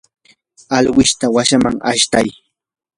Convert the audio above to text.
alwishta wasiman ashtay.